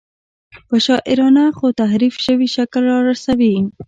په شاعرانه خو تحریف شوي شکل رارسوي.